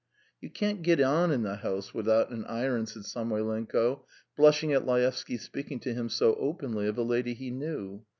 "You can't get on in the house without an iron," said Samoylenko, blushing at Laevsky's speaking to him so openly of a lady he knew.